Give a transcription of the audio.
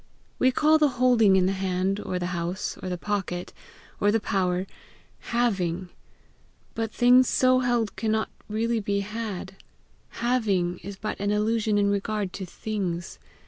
We call the holding in the hand, or the house, or the pocket, or the power, HAVING; but things so held cannot really be HAD; HAVING is but an illusion in regard to THINGS.